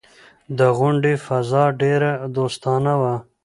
د غونډې فضا ډېره دوستانه وه.